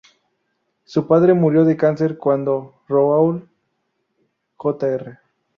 Su padre murió de cáncer cuando Raoul jr.